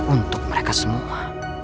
untuk mereka semua